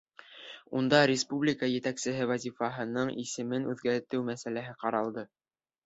Унда республика етәксеһе вазифаһының исемен үҙгәртеү мәсьәләһе ҡаралды.